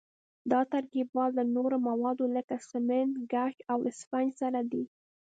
دا ترکیبات له نورو موادو لکه سمنټ، ګچ او اسفنج سره دي.